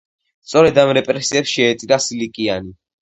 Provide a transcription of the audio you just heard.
სწორედ ამ რეპრესიებს შეეწირა სილიკიანი.